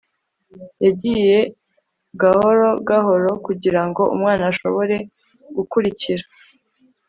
yagiye gahoro gahoro kugirango umwana ashobore gukurikira